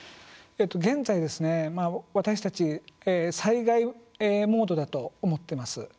現在、私たち災害モードだと思っています。